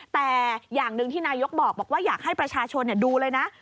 แต่อย่างหนึ่งที่นายกบอกว่าอยากให้ประชาชนดูเลยนะ